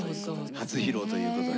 初披露ということで。